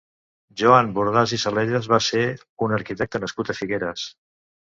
Joan Bordàs i Salellas va ser un arquitecte nascut a Figueres.